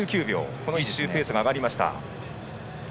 この１周、ペースが上がりました。